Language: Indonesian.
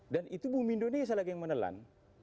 dan itu bumi indonesia lagi yang menelan